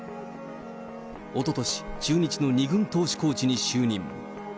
おととし、中日の２軍投手コーチに就任。